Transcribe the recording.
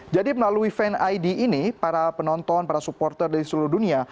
jadi melalui fan id ini para penonton para supporter dari seluruh dunia